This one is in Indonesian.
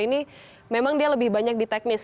ini memang dia lebih banyak di teknis